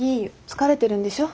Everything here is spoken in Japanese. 疲れてるんでしょ。